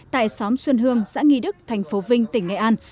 tại xóm xuân hương xã nghi đức thành phố vinh tỉnh nghệ an